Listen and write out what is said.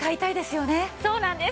そうなんです！